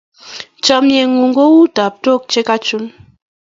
Chamyengun ko u taptok che ka chun